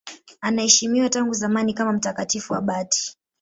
Anaheshimiwa tangu zamani kama mtakatifu abati.